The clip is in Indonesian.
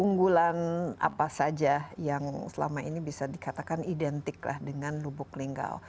unggulan apa saja yang selama ini bisa dikatakan identik dengan lubuk linggau